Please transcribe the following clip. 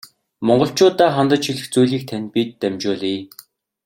Монголчууддаа хандаж хэлэх зүйлийг тань бид дамжуулъя.